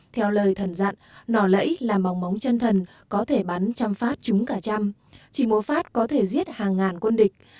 theo lời thần dặn nỏ lẫy là mỏng móng chân thần có thể bắn trăm phát chúng cả trăm chỉ một phát có thể giết hàng ngàn quân địch